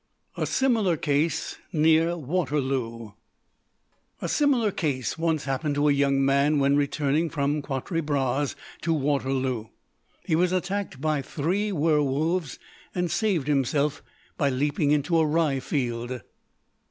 A SIMILAR CASE NEAR WATERLOO A similar case once happened to a young man when returning from Quatre Bras to Waterloo. He was attacked by three werwolves and saved himself by leaping into a rye field.